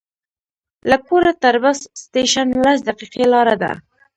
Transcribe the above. له کوره تر بس سټېشن لس دقیقې لاره ده.